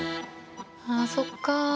あそっか。